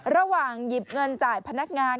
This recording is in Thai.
ระหว่างหยิบเงินจ่ายพนักงาน